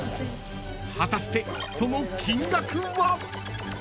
［果たしてその金額は？］